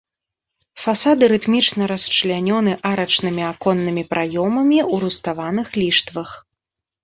Фасады рытмічна расчлянёны арачнымі аконнымі праёмамі ў руставаных ліштвах.